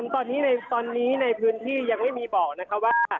ตอนนี้ในพื้นที่ยังไม่มีบอกนะคะว่า